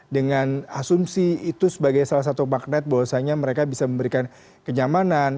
dengan asumsi itu sebagai salah satu magnet bahwasanya mereka bisa memberikan kenyamanan